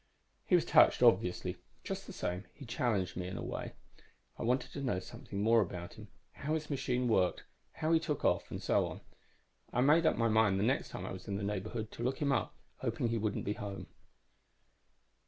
"He was touched, obviously. Just the same, he challenged me, in a way. I wanted to know something more about him, how his machine worked, how he took off, and so on. I made up my mind the next time I was in the neighborhood to look him up, hoping he wouldn't be home.